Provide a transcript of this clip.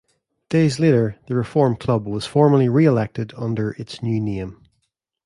Days later the reformed club was formally re-elected under its new name.